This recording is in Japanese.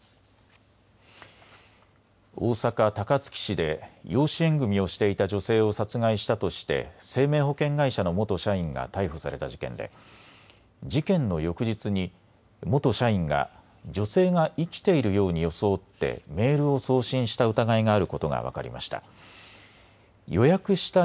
大阪高槻市で養子縁組みをしていた女性を殺害したとして生命保険会社の元社員が逮捕された事件で事件の翌日に元社員が女性が生きているように装ってメールを送信した疑いがあることが分かりました。